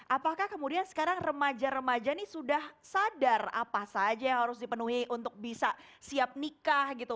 apakah kemudian sekarang remaja remaja ini sudah sadar apa saja yang harus dipenuhi untuk bisa siap nikah gitu